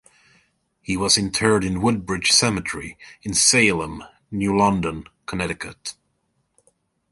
He was interred in Woodbridge Cemetery, in Salem, New London, Connecticut.